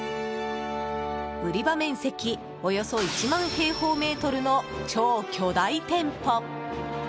売り場面積、およそ１万平方メートルの超巨大店舗。